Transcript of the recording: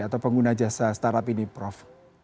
atau pengguna jasa startup ini prof